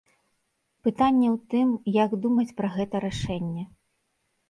Пытанне ў тым, як думаць пра гэта рашэнне.